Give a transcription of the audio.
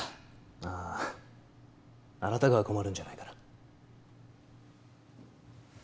あああなたが困るんじゃないかな？